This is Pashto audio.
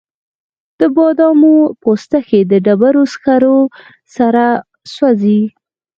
د بادامو پوستکي د ډبرو سکرو سره سوځي؟